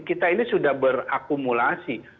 kita ini sudah berakumulasi